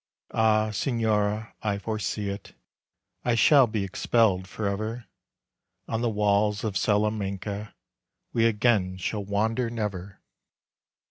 Ah, Señora, I foresee it! I shall be expelled forever, On the walls of Salamanca, We again shall wander never!